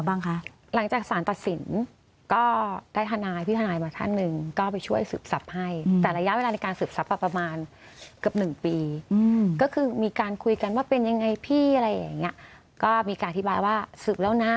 อย่างไรกันมาบ้างยาวนานแค่ไหนได้อะไรมาบ้าง